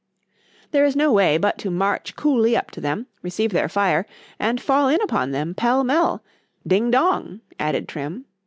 ——There is no way but to march coolly up to them,——receive their fire, and fall in upon them, pell mell——Ding dong, added _Trim.